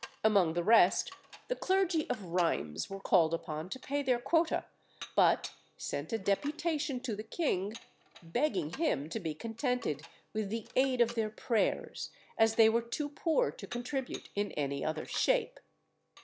Among the rest, the clergy of Rheims were called upon to pay their quota, but sent a deputation to the king, begging him to be contented with the aid of their prayers, as they were too poor to contribute in any other shape.